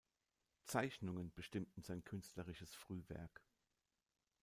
Zeichnungen bestimmten sein künstlerisches Frühwerk.